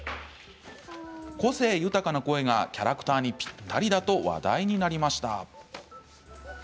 個性豊かな声がキャラクターにぴったりだと話題になりました。